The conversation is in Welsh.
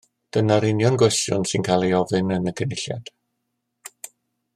Dyna'r union gwestiwn sy'n cael ei ofyn yn y Cynulliad